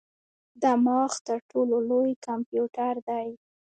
دماغ تر ټولو لوی کمپیوټر دی.